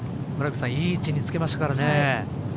いい位置につけましたからね。